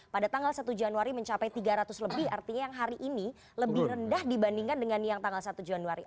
pada tanggal satu januari mencapai tiga ratus lebih artinya yang hari ini lebih rendah dibandingkan dengan yang tanggal satu januari